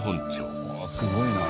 すごいな。